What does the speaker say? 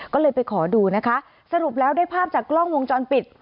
ก็เลยไปขอดูนะคะสรุปแล้วได้ภาพจากกล้องวงจรปิด